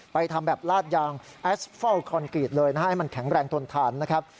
ทำแบบลาดยางแอสเฟิลคอนกรีตเลยนะฮะให้มันแข็งแรงทนทานนะครับ